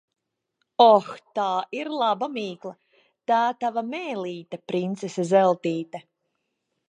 Oh, tā ir laba mīkla! Tā tava mēlīte, princese Zeltīte.